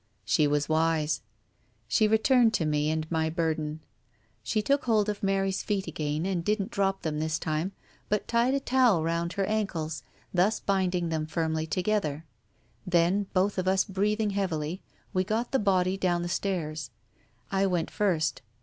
She was wise. She returned to me and my burden. She took hold of Mary's feet again, and didn't drop them this time, but tied a towel round her ankles, thus binding them firmly together. Then, both of us breathing heavily, we got the body down the stairs. I went first.